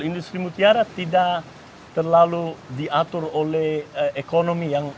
industri mutiara tidak terlalu diatur oleh ekonomi yang